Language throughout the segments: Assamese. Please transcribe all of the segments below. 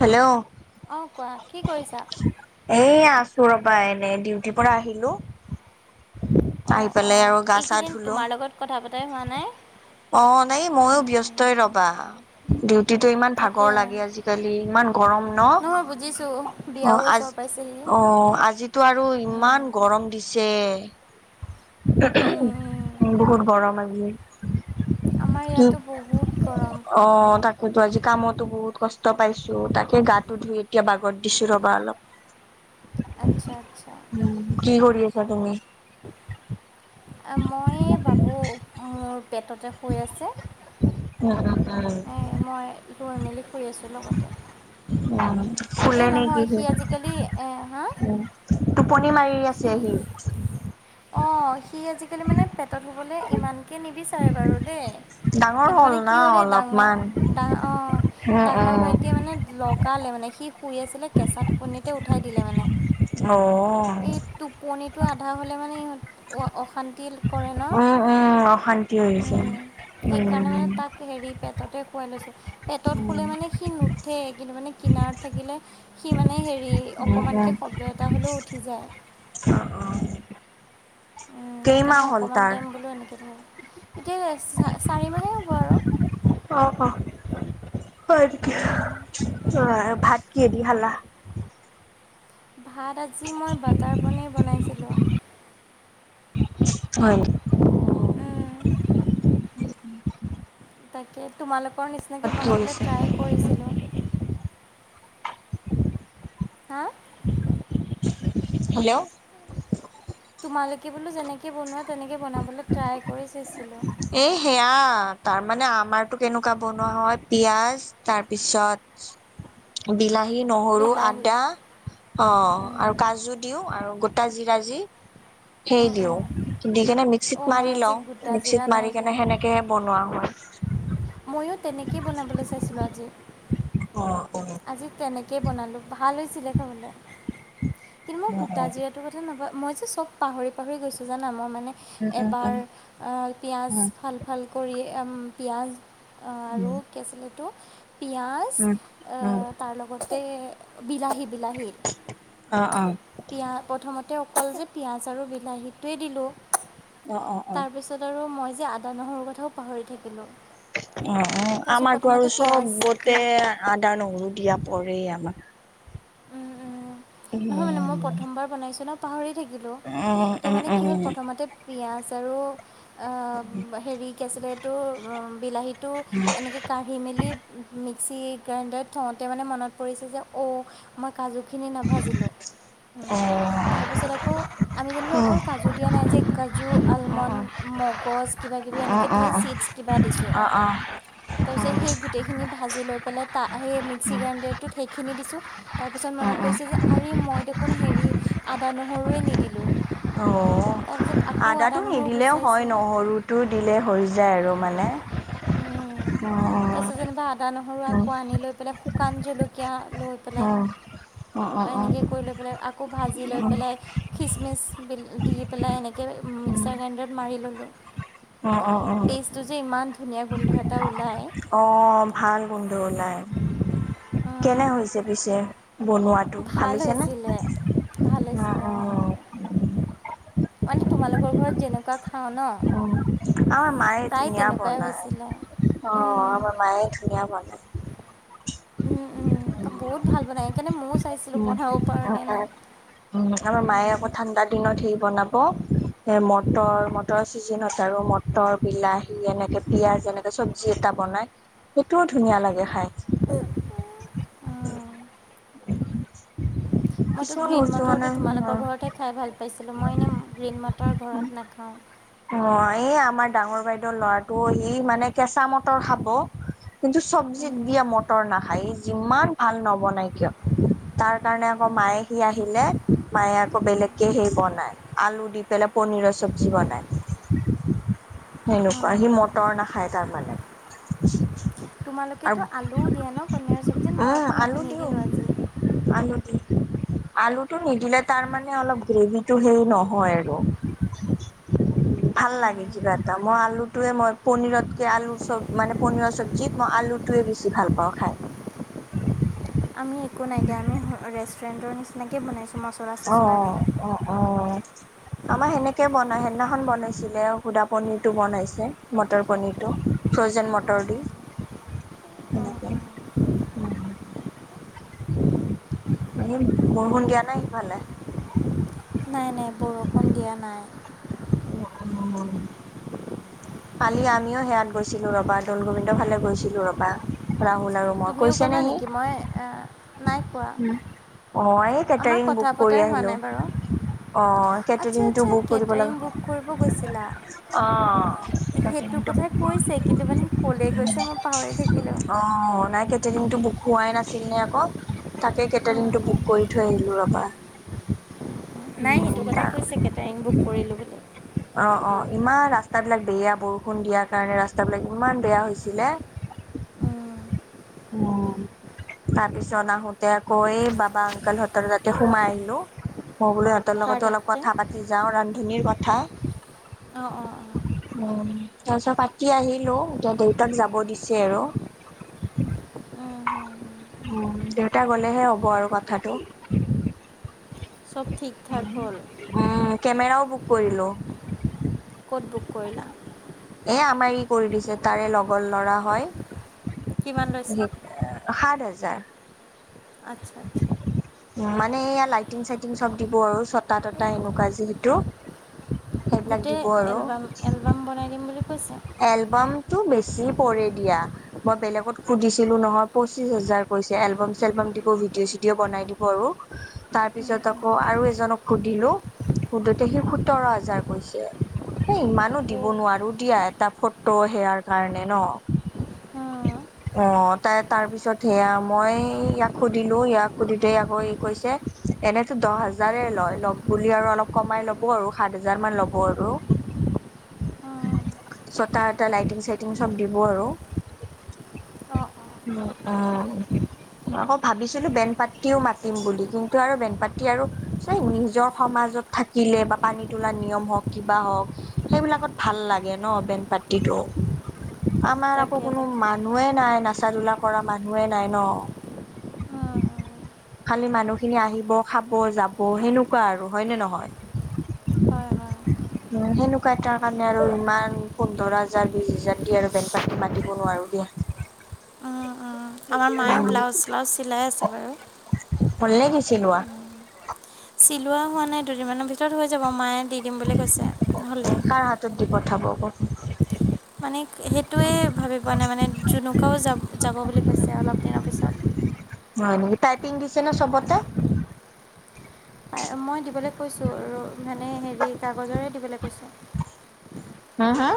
হেল্ল'। অ' কোৱা, কি কৰিছা? এ, আছোঁ ৰবা এনে, ডিউটিপৰা আহিলোঁ। অ' অ' চা এইকেইদিন ধুলো তোমাৰ লগত কথা পতাই হোৱা নাই। অ' নাই, ময়ো ব্যস্তই উম, ৰবা। ডিউটিটো ইমান তাকে ভাগৰ লাগে আজিকালি, ইমান গৰম ন'? নহয় বুজিছোঁ বিয়াও অ' আজ ওচৰ পাইছেহি অ' আজিতো আৰু ইমান উম, গৰম দিছে। উম, উম। বহুত গৰম আজি। আমাৰ কি, ইয়াতো বহুত গৰম অ' তাক মইতো আজি কামতো বহুত কষ্ট পাইছোঁ, তাকে গাটো ধুই এতিয়া বাগ গত দিছোঁ ৰ'বা অলপ। আচ্ছা, আচ্ছা। উম কি কৰি আছা তুমি? মই বাবু মোৰ পেটতে শুই আছে। উম, উম, উম। এ, মই লৈ মেলি শুই আছোঁ লগতে। অ'। এই নহয় সি আজিকালি, এ, হা? টোপনি মাৰি আছে হি। অ' সি আজিকালি মানে পেটত শুবলৈ ইমানকে নিবিচাৰে বাৰু দেই। ডাঙৰ কিন্তু মানে ন কি হ'ল এই অলপমান। ডাঙৰা অ' উম ডাঙৰ উম। বাই টিয়ে মানে লগালে মানে, সি শুই আছিলে কেঁচা টোপনিতে উঠাই দিলে মানে। অ', এই অ'। টোপনিটো আধা হ'লে মানে ইহঁত অশান্তি তিল কৰে ন' উম উম অশান্তি হৈছে। উম, সেইকাৰণে মানে উম তাক হেৰি পেটতে খুৱাই লৈছোঁ, পেটত উম শুলে মানে সি নো ঠে কিন্তু মানে কিনাৰত থাকিলে সি মানে হেৰি এ, উম। অকমানকে শব্দ এটা হ'লেও উঠি যায়। অ', অ'। হেইকানে কেইমাহ হ'ল অকমান তাৰ? টাইম বোলো এনেকে থও, এতিয়া চা-চাৰি মাহেই হ'ব আৰু। অ', অ' হয়, কি অ' ভাত কিহেদি খালা? ভাত আজি মই বাটাৰ পনীৰ বনাইছিলোঁ। হয় নি? তাকে, তোমালোকৰ নিচিনাকে ভাত কি বনাবলৈ কৰিছে? ট্ৰাই কৰিছিলোঁ। হা? হেল্ল'। তোমালোকে বোলো যেনেকে বনোৱা তেনেকে বনাবলৈ ট্ৰাই কৰি চাইছিলোঁ। এ, সেয়া তাৰমানে আমাৰটো কেনেকুৱা বনোৱা হয় পিয়াজ তাৰপিছত [inaudible] বিলাহী, নহৰু, বিলাহী আদা অ' আৰু কাজু দিওঁ আৰু গোটা জিৰা যি সেই দিওঁ, দি কেনে মিক্সিত অ' মই মাৰি আজি লওঁ, গোটা জিৰা মিক্সিত নাই মাৰি দিয়া কেনে সেনেক কে বনোৱা হয়। ময়ো তেনেকে বনাবলৈ চাইছিলোঁ আজি। অ', অ'। আজি তেনেকে বনালো, ভাল হৈছিলে খাবলে, কিন্তু মই উম গোটা জিৰা সেইটো কথা নাপা, মই যে চব পাহৰি পাহৰি গৈছোঁ জানা, মই মানে উম এবাৰ উম আ, পিঁয়াজ উম ফাল ফাল কৰি পিঁয়াজ আৰু কি আছিল এইটো পিঁয়াজ উম উম তাৰ লগত তে বিলাহী বিলাহী। অ অ অ পিঁয়া প্ৰথমতে অকল যে পিঁয়াজ আৰু বিলাহীটোৱেই দিলোঁ। অ', অ', অ'। পিছত আৰু মই যে আদা, নহৰু কথাও পাহৰি থাকিলোঁ। অ' তাৰপিছত আমাৰতো আৰু প্ৰথমতে চবতে পিঁয়াজ আদা, নহৰু দিয়া পৰেই আমাৰ। উম নহয় মানে মই উম উম উম প্ৰথমবাৰ বনাইছোঁ ন' পাহৰি থাকিলোঁ ত' মানে উম অ কি হ'ল উম প্ৰথমতে পিয়াঁজ আৰু হেৰি কি আছিলে এইটো, বিলাহীটো এনেকৈ কাঢ়ি মেলি মিক্সি গ্ৰাইণ্ডাৰত থওঁতে মানে মনত পৰিছে যে অ'। মই কাজুখিনি নাভাজিলোঁ। অ'। তাৰপিছত আকৌ আমি যেনিবা অ অকল কাজু দিয়া নাই যে, কাজু, আলমণ্ড, মগজ কিবা কিবি এনেকে ধেৰ চিট কিবা দিছোঁ। অঁ অঁ। তাৰপিছত সেই গোটেইখিনি ভাজি লৈ পেলাই, তা, সেই মিক্সি অ গ্ৰাইণ্ডাৰটোত সেইখিনি দিছোঁ। তাৰপিছত উম মনত উম পৰিছে যে, আৰে মই দেখোন হেৰি আদা, নহৰুৱে নিদিলোঁ। অঁ, তাৰপিছত আকৌ আদা আদাটো নহৰু নিদিলেও হয়, গুচাইছোঁ নহৰুটো দিলে হৈ যায় আৰু মানে। উম, তাৰ পিছত যেনিবা আদা নহৰু আকৌ আনি লৈ পেলাই শু কান জলকীয়া ল হা। এনেকৈ কৰি লৈ পেলাই, আকৌ ভাজি লৈ পেলাই খিচমিচ দি পেলাই, এনেকৈ মিক্সাৰ গ্ৰাইণ্ডাৰত মাৰি ল'লোঁ। অ, অ, অ'। ত' যে ইমান ধুনীয়া গোন্ধ এটা ওলাই। অ', ভাল গোন্ধু ওলাই, কেনে হৈছে পিছে বনোৱাটো? ভাল হৈছে নে? ভাল অ, হৈছিলে অ'? অঁ তোমালোকৰ ঘৰত যেনেকুৱা খাওঁ ন'। উম, আমাৰ মায়ে প্ৰায় ধুনীয়া তেনেকুৱাই বনায়, হৈছিলে অ', উম, আমাৰ মায়ে ধুনীয়া বনায়। উম, বহুত ভাল বনায়, সেইকাৰণে ময়ো চাইছিলোঁ উম, বনাব পাৰোঁ অ' নে অ' নাই। উম, আমাৰ মায়ে উম, আকৌ ঠাণ্ডা দিনত সেই বনাব। এ, মটৰ, মটৰৰ চিজনত আৰু মটৰ বিলাহী এনেকে পিয়াঁজ এনেকে চব্জি এটা বনাই, সেইটোও ধুনীয়া লাগে খাই। উম। [unintelligible] মইতো কিছুমান গ্ৰীণ বস্তু মানে মটৰটো তোমালোকৰ ঘৰতহে খাই ভাল পাইছিলোঁ, মই এনেই গ্ৰীণ মটাৰ ঘৰত নাখাওঁ। অ', এই আমাৰ ডাঙৰ বাইদেউ ল'ৰাটো, সি মানে কেঁচা মটৰ খাব। কিন্তু চব্জিত উম, দিয়া মটৰ নাখায়, যিমান ভাল নবনাই কিয়। তাৰ কাৰণে আকৌ মায়ে সি আহিলে, মায়ে আকৌ বেলেগকে সেই বনায়, আলু দি। পনীৰৰ চব্জি বনায়। সেনেকুৱা সি উম। মটৰ নাখায়, তাৰমানে। তোমালোকেতো আলুও দিয়া ন পনীৰৰ চব্জিত আৰু মই অ' আকৌ না আলু দিওঁ। নিদিলোঁ আজি আলু দি আলুটো নিদিলে তাৰ মানে অলপ, গ্ৰেভিটো হেৰি নহয় আৰু। [unintelligible] ভাল লাগে কিবা এটা, মই আলুটোৱে মই পনিৰতকে, আলু চব মানে পনিৰত চব্জিত মই আলু টোৱে বেছি ভাল পাওঁ খায়। আমি একো নাই দিয়া, আমি ৰেষ্টুৰেণ্টৰ নিচিনাকে বনাইছোঁ, মছল অ, অ', অ, অ'। আমাৰ সেনেকে বনাই, সেইদিনাখন বনাইছিলে সুদা পনিৰটো বনাইছে, মটৰ পনিৰটো। ফ্ৰ'জেন মটৰ দি। উম, সেনেকে। উম। উম, বৰষুণ দিয়া নাই সেইফালে? নাই, নাই, বৰষুণ দিয়া নাই। উম। কালি আমিও সেয়াত গৈছিলোঁ, ৰবা দৌল গোবিন্দৰ ফালে গৈছিলোঁ, ৰবা, ৰাহুল আৰু মই তুমিও কৈছে নে ক'লা সি নেকি? মই নাই কোৱা। অ' এই আমাৰ কেটাৰিং কথা বুক কৰি পতাই হোৱা আহিলোঁ। নাই বাৰু অ' আচ্ছা কেটাৰিঙটো আচ্ছা বুক কৰিব কেটাৰিং বুক কৰিব গৈছিলা লাগি অ'। সেইটো কেটাৰিংটো কথা বুক কৈছে কিন্তু মানে ক'লৈ কৰা নাই গৈছে মই পাহৰি থাকিলোঁ নেকি, অ' নাই কেটা কেটাৰিংটো বুক হোৱাই নাছিল নে আকৌ তাকে কেটাৰিংটো বুক কৰি থৈ আহিলোঁ ৰবা। নাই, সেইটো উম কথা তা কৈছে কেটাৰিং বুক কৰিলোঁ বুলি। অ', অ' ইমান ৰাস্তাবিলাক বেয়া, বৰষুণ দিয়াৰ কাৰণে ৰাস্তাবিলাক ইমান বেয়া হৈছিলে। উম, তাৰপিছত আহোতে আকৌ বাবা আঙকলহতৰ তাতে সোমাই আহিলোঁ। মই বোলোঁ সিহঁতৰ কাৰ লগতো অলপ তাতে কথা পাতি যাওঁ, ৰান্ধনীৰ কথা। অ', অ', অ'। উম, তাৰপিছত পাতি আহিলোঁ, এতিয়া দেউতাক যাব দিছে আৰু। অঁ উম, দেউতা গলেহে হ'ব আৰু কথাটো। চব ঠিক ঠাক হ'ল উম, কেমেৰাও বুক কৰিলোঁ। ক'ত বুক কৰিলা? এ, আমাৰ ই কৰি দিছে, তাৰে লগৰ ল'ৰা হয়। কিমান লৈছে? সাত হাজাৰ। আচ্ছা। আচ্ছা উম, মানে এয়া লাইটিং চাইটিং চব দিব আৰু ছটা তটা এনেকুৱা যিহেতু। সেইবিলাক গোটেই দিব আৰু এলবা এলবাম বনাই দিম বুলি কৈছে। এলবামটো বেছি পৰে দিয়া। মই বেলেগত সুধিছিলোঁ নহয় পঁচিশ হাজাৰ কৈছে, এলবম চেলবাম দিব, ভিডিঅ' চিডিঅ' বনাই দিব আৰু। তাৰপিছত আকৌ আৰু এজনক সুধিলোঁ সুধোতে সি সোতৰ হাজাৰ কৈছে। এই ইমানো দিব অঁ নোৱাৰোঁ দিয়া, এটা ফটো সেয়াৰ কাৰণে ন'? উম। অ' তাই তাৰপিছত সেয়া মই ইয়াক সুধিলোঁ, ইয়াক সুধিতে আকৌ ই কৈছে এনেতো দহ হাজাৰে লয়, লগ বুলি আৰু অলপ কমাই ল'ব আৰু সাত হাজাৰ মান ল'ব আৰু। অঁ। ছটা এটা লাইটিং চাইটিং চব দিব আৰু। অ', অ'। উম, উ। মই আকৌ ভাবিছিলোঁ বেনপাট্টিও মাতিম বুলি কিন্তু আৰু বেনপাট্টি আৰু চাই নিজৰ সমাজত থাকি কিলে বা পানী তোলা নিয়ম হওক, কিবা হওক সেইবিলাকত ভাল লাগে ন'? বেনপাট্টিটো, আমাৰ আকৌ তাকে কোনো তাকে মান নুহে নাই, নাচা ধোলা কৰা মানুহে নাই ন'? উম, উম। খালি মানুহখিনি আহিব খাব যাব সেনেকুৱা আৰু হয় নে নহয়? হয় হয়। উম, সেনেকুৱা এটাৰ কাৰণে আৰু ইমান পোন্ধৰ হাজাৰ, বিছ হোজাৰ দি আৰু বেনপাট্টি মাতিব নোৱাৰোঁ উম, দিয়া। উম। আমাৰ মায়েও ব্লাউজ শ্লাউজ চিলাই আছে বাৰু। হ'ল নেকি চিলোৱা? চিলোৱা হোৱা নাই, দুদিনমানৰ ভিতৰত হৈ যাব, মায়ে দি দিম বুলি কৈছে হ'লে। কাৰ হাতত দি পঠাব? মানে সেইটোৱে ভাবি পোৱা নাই মানে, জনুকাও যাব যাব বুলি কৈছে অলপ দিনৰ পিছত। হয় নেকি, পাইপিং দিছে ন' চবতে? মই দিবলৈ কৈছোঁ আৰু মানে হেৰি কাগজৰে দিবলৈ কৈছোঁ। হা, হা?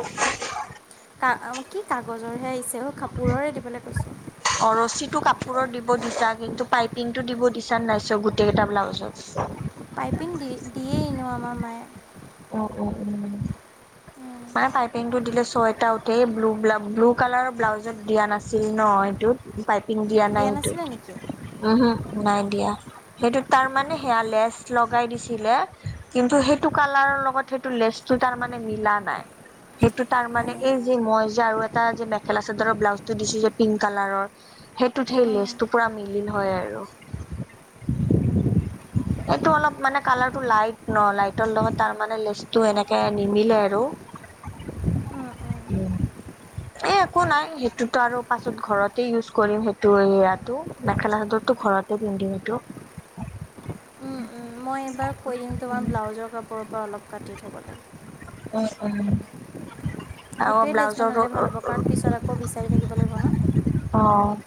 কা কি কাগজৰহে আহিছে অ' কাপোৰৰে দিবলৈ কৈছোঁ। অ' ৰচীটো কাপোৰৰ দিব দিছা কিন্তু পাইপিংটো দিব দিছা নে নাই চ' গোটেইকেইটা ব্লাউজত? [inaudible] পাইপিং দি-দিয়েই এনেওঁ আমাৰ মায়ে। উম, উম, উম, মানে পাইপিংটো দিলে ছয়টা সেই ব্লু [unintelligible] ব্লু কালাৰৰ ব্লাউজত দিয়া নাছিল ন এইটোত। পাইপিং দিয়া নাই সি। নাছিলে নেকি ওহোঁ নাই দিয়া। সেইটো তাৰ মানে সেয়া লেচ লগাই দিছিলে, কিন্তু সেইটো কালাৰৰ লগত সেইটো লেচ [unintelligible] টাৰ মানে মিলা নাই। সেইটো তাৰ মানে এই যে মই যে আৰু এটা যে মেখেলা চাদৰৰ ব্লাউজটো দিছোঁ যে পিংক কালাৰৰ, সেইটোত সেই উম, লেষ্টটো পুৰা মিলিল হয় আৰু। [inaudible] এইটো অলপ মানে কালাৰটো লাইট ন, লাইটৰ লগত তাৰ মে লেচটো এনেকে নিমিলে আৰু। উম। এ, একো নাই, সেইটোতো আৰু পাছত ঘৰতে ইউজ কৰিম সেইটো এয়াতো মেখেলা [unintelligible] তো ঘৰতে পিন্ধিম এইটো। উম, মই এইবাৰ কৈ দিম তোমাৰ ব্লাউজৰ কাপোৰৰ পৰা অলপ কাটি থ'বলৈ। [unintelligible] আৰু সেইটোৱে লেষ্ট ব্লাউজৰ বনালে ভাল হ'ব, কাৰণ পিছত আকৌ বিচাৰি থাকিব লাগিব ন। অ',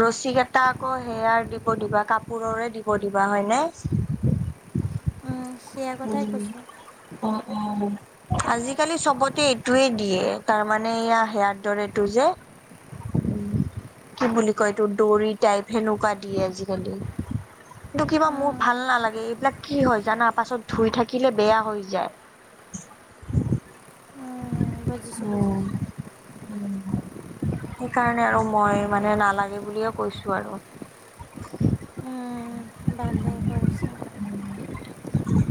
ৰছী কেইটা আকৌ সেয়াৰ দিব দিবা কাপোৰৰে দিব দিবা হয়নে? উম, সেয়া কথাই উম, কৈছোঁ অ, অ, আজিকালি চবতে এইটোৱে দিয়ে, তাৰমানে এয়া সেয়াৰ দৰেটো যে [inaudible] উম, কি বুলি কয় এইটো, দৰি টাইপ সেনেকুৱা দিয়ে আজিকালি। কিন্তু কিবা মোৰ উম, ভাল নালাগে, এইবিলাক কি হয় জানা পাছত ধুই থাকিলে বেয়া হৈ যায়। উম, বুজিছোঁ উম, বুজিছোঁ উম। সেইকাৰণে আৰু মই মানে নালাগে বুলিয়ে কৈছোঁ আৰু। উম, ভালেই কৰিছা।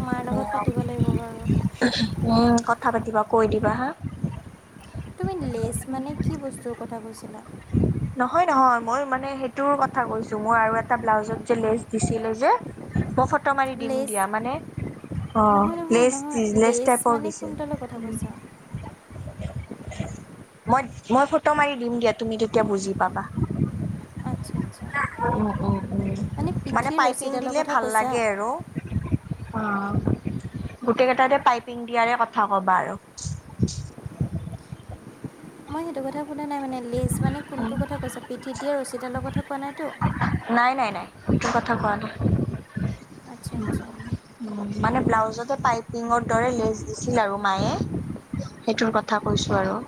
মাৰ লগত পাতিব লাগিব বাৰু উম, কথা পাতিবা কৈ দিবা হা। তুমি লেছ মানে কি বস্তুৰ কথা কৈছিলা? নহয়, নহয় মই মানে সেইটোৰ কথা কৈছোঁ মই আৰু এটা ব্লাউজত যে লেজ দিছিলে যে মই ফটো মাৰি দিম লেছ দিয়া, মানে অ, নহয় নহয় লেছ নহয় দি লেছ টাইপৰ মানে দিছে। কোনডালৰ কথা কৈছা [unintelligible] মই-মই ফটো মাৰি দিম দিয়া তুমি তিয়া বুজি পাবা। আচ্ছা, আচ্ছা। [unintelligible] মানে পিঠিৰ পাইপিং ৰছীডালৰ দিলে কথা ভাল লাগে কৈছা আৰু। অ', গোটেই কেইটাতে পাইপিং দিয়াৰে কথা ক'বা আৰু। মই সেইটো কথা সোধা নাই মানে, লেজ মানে কোনটো কথা কৈছা? পিঠিত দিয় আৰু ৰচী দালৰ কথা কোৱা নাইতো? নাই, নাই, নাই, সেইটো কথা কোৱা নাই। আচ্ছা, আচ্ছা। মানে ব্লাউজতে পাইপিঙৰ দৰে লেজ দিছিল আৰু মায়ে। সেইটোৰ কথা কৈছোঁ আৰু।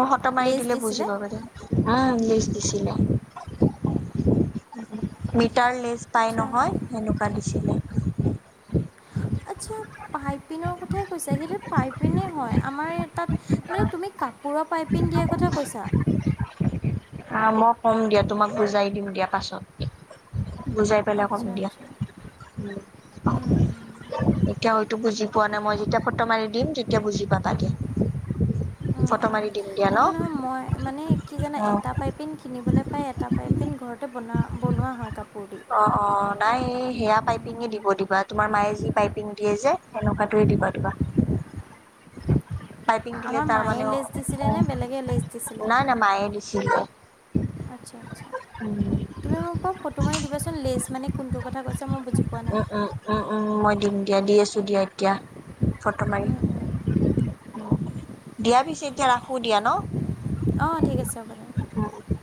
মই ফটো মাৰি লেজ দিলে দিছিলে বুজি পাবা দিয়া। আ, ইংলিচ দিছিলে। মিটাৰ লেছ পাই আচ্ছা নহয় সেনেকুৱা দিছিলে। আচ্ছা, পাইপিনৰ কথাই কৈছা সেইটোত পাইপিনে হয়, আমাৰ তাত, মানে তুমি কাপোৰৰ পাইপিং দিয়াৰ কথা কৈছা? [inaudible] অ', মই ক'ম দিয়া তোমাক বুজাই দিম দিয়া পাছত। বুজাই পেলাই কম আচ্ছা দিয়া। উম, আচ্ছা উম, এতিয়া হয়তটো বুজি পোৱা নাই, মই যেতিয়া ফটো মাৰি দিম তেতিয়া বুজি পাবা দিয়া। উম, ফটো উম। মাৰি দিম দিয়া ন নহয়, নহয় মই মানে কি জানা অ এটা পাইপিন কিনিবলৈ পাই এটা পাইপিং ঘৰতে বনা বনোৱা হয় কাপোৰ টো। অ', অ', নাই এই সেয়া পাইপিং দিব দিবা তোমাৰ মায়ে যি পাইপিং দিয়ে যে এনেকুৱটোৱে দিবা দিবা। [inaudible] পাইপিং দিলে আমাৰ তাৰ মায়ে মানে লেজ দিছিলে নে বেলেগে লেজ দিছিলে উ নাই নাই মায়ে দিছিলে। আচ্ছা, আচ্ছা উম তুমি মোক বাৰু ফটো মাৰি দিবাচোন লেজ মানে কোনটো কথা কৈছা মই বুজি পোৱা নাই উম, উম, উম, উম মই দিম দিয়া দি আছোঁ দিয়া এতিয়া। ফটো মাৰি দিয়া পিছে এতিয়া ৰাখো দিয়া ন। অ', ঠিক আছে হ'ব দে। উম।